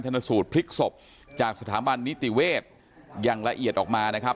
นสูตรพลิกศพจากสถาบันนิติเวชอย่างละเอียดออกมานะครับ